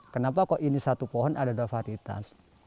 kenapa kok ini satu pohon ada dua varitas